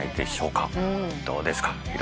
どうですか？